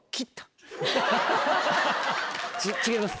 違います。